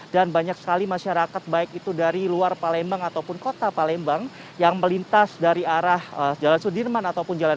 dan banyak sekali masyarakat baik itu dari luar palembang ataupun kota palembang yang melintas dari arah jalan sudirman